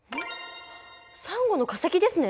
サンゴの化石ですね。